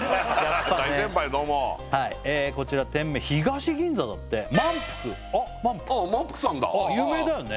大先輩どうもこちら店名東銀座だって萬福あっ萬福ああ萬福さんだ有名だよね